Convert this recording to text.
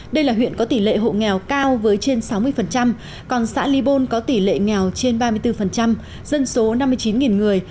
đây là huyện có tỷ lệ hộ nghèo cao với trên sáu mươi còn xã ly bôn có tỷ lệ nghèo trên ba mươi bốn dân số năm mươi chín người